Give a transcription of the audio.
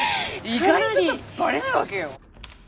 意外とさバレないわけよ。